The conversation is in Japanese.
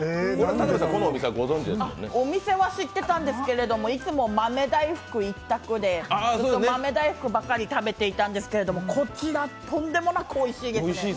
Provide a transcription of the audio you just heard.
お店は知ってたんですけどいつも豆大福一択でずっと豆大福ばっかり食べてたんですけども、こちら、とんでもなくおいしいですね。